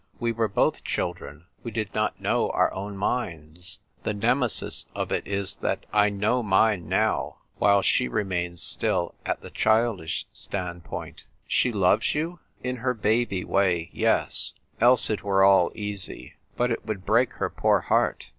We were both children. We did not know our own minds. The Nemesis of it is that I know mine now, while she remains still at the childish standpoint." "^She loves you ?"" In her baby way — yes ; else it were all easy. But it would break her poor heart.